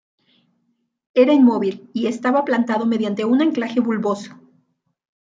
Era inmóvil y estaba plantado mediante un anclaje bulboso.